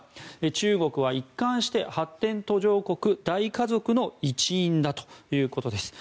中国は一貫して発展途上国大家族の一員だということです。